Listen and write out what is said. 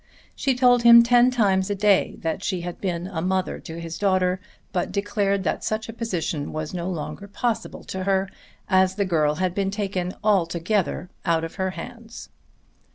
She told him ten times a day that she had been a mother to his daughter, but declared that such a position was no longer possible to her as the girl had been taken altogether out of her hands.